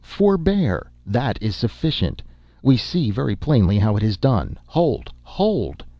—forbear!—that is sufficient!—we see, very plainly, how it is done!—hold! hold!"